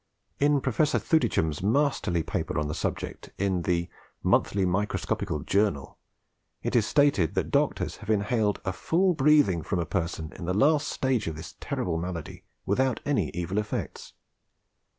In Professor Thudichum's masterly paper on the subject in the 'Monthly Microscopical Journal,' it is stated that doctors have inhaled a full breathing from a person in the last stage of this terrible malady without any evil effects.